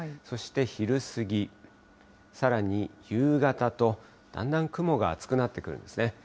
そして昼過ぎ、さらに夕方と、だんだん雲が厚くなってくるんですね。